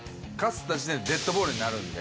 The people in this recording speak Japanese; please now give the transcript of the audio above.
時点でデッドボールになるんで。